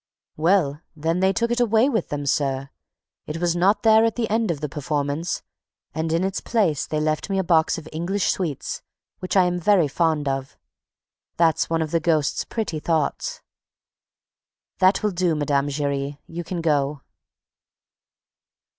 "Well, then, they took it away with them, sir; it was not there at the end of the performance; and in its place they left me a box of English sweets, which I'm very fond of. That's one of the ghost's pretty thoughts." "That will do, Mme. Giry. You can go."